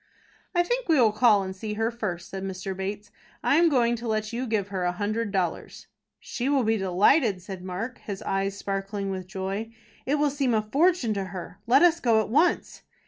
"I think we will call and see her first," said Mr. Bates. "I am going to let you give her a hundred dollars." "She will be delighted," said Mark, his eyes sparkling with joy. "It will seem a fortune to her. Let us go at once."